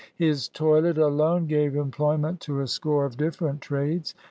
His toilet alone gave employment to a score of different trades.